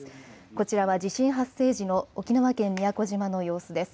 こちらは地震発生時の沖縄県宮古島の様子です。